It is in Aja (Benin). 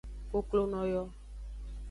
Koklono yo.